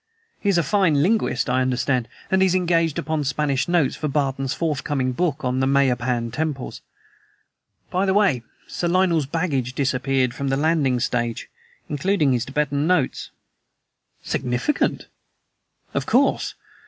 He is a fine linguist, I understand, and is engaged upon the Spanish notes for Barton's forthcoming book on the Mayapan temples. By the way, all Sir Lionel's baggage disappeared from the landing stage including his Tibetan notes." "Significant!" "Of course.